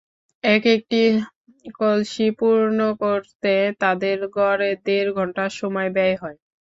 একেকটি কলসি পূর্ণ করতে তাঁদের গড়ে দেড় ঘণ্টা সময় ব্যয় হয়।